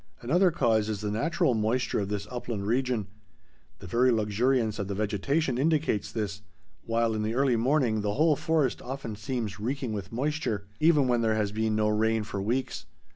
Another cause is the natural moisture of this upland region. The very luxuriance of the vegetation indicates this, while in the early morning the whole forest often seems reeking with moisture, even when there has been no rain for weeks.